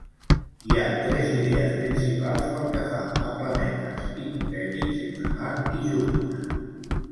Hi ha tres idees principals pel que fa a planetes hipotètics entre Mart i Júpiter.